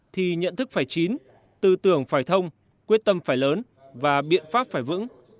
thì nhận thức phải chín tư tưởng phải thông quyết tâm phải lớn và biện pháp phải vững